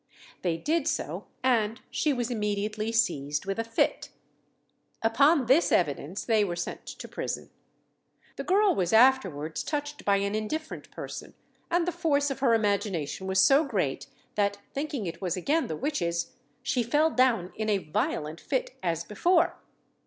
They did so, and she was immediately seized with a fit. Upon this evidence they were sent to prison. The girl was afterwards touched by an indifferent person, and the force of her imagination was so great, that, thinking it was again the witches, she fell down in a violent fit as before.